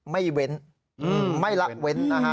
ไม่เว้นไม่ละเว้นนะฮะ